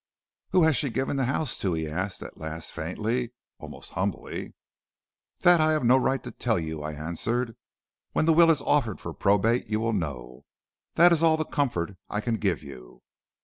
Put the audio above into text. "'Who has she given the house to?' he asked at last faintly, almost humbly. "'That I have no right to tell you,' I answered. 'When the will is offered for probate you will know; that is all the comfort I can give you.'